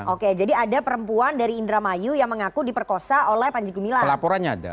oke jadi ada perempuan dari indramayu yang mengaku diperkosa oleh panjigu milang laporannya ada